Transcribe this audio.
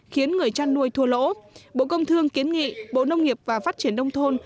khiến người chăn nuôi thua lỗ bộ công thương kiến nghị bộ nông nghiệp và phát triển nông thôn